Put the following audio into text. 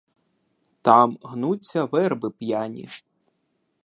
Там гнуться верби п'яні.